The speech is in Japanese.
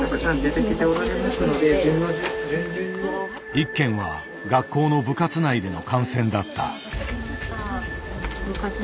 １件は学校の部活内での感染だった。